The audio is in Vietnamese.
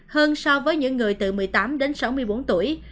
hơn so với những người từ một mươi tám đến sáu mươi bốn tuổi